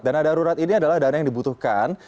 dana darurat ini adalah dana yang dibutuhkan